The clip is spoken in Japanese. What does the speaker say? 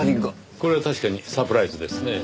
これは確かにサプライズですねぇ。